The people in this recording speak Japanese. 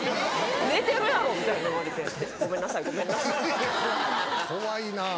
「寝てるやろ！」みたいな言われて「ごめんなさいごめんなさい」。・怖いなぁ・